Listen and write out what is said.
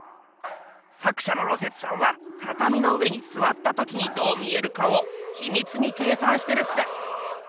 作しゃの芦雪さんはたたみの上にすわったときにどう見えるかをちみつに計算してるっす。